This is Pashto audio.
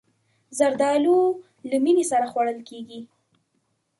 زردالو له مینې سره خوړل کېږي.